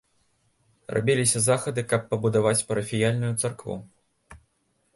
Рабіліся захады, каб пабудаваць парафіяльную царкву.